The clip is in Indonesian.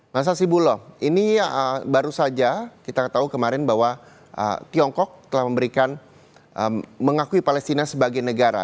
mas hasibuloh ini baru saja kita tahu kemarin bahwa tiongkok telah memberikan mengakui palestina sebagai negara